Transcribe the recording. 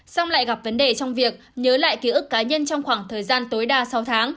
xong lại gặp vấn đề trong việc nhớ lại ký ức cá nhân trong khoảng thời gian tối đa sáu tháng